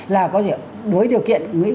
là có thể đối điều kiện